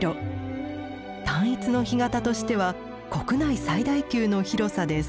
単一の干潟としては国内最大級の広さです。